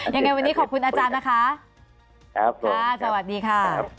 ยังไงวันนี้ขอบคุณอาจารย์นะคะครับค่ะสวัสดีค่ะ